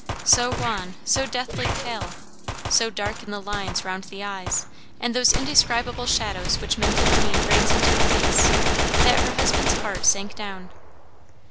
So wan, so deathly pale, so dark in the lines round the eyes, and those indescribable shadows which mental pain brings into a face, that her husband's heart sank down.